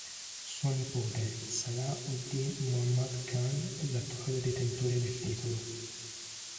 Suo nipote Salah ud-Din Muhammad Khan è l'attuale detentore del titolo.